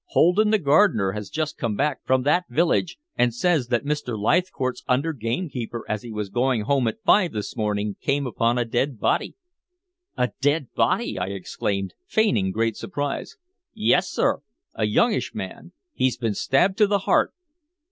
"Holden, the gardener, has just come back from that village and says that Mr. Leithcourt's under gamekeeper as he was going home at five this morning came upon a dead body." "A dead body!" I exclaimed, feigning great surprise. "Yes, sir a youngish man. He'd been stabbed to the heart."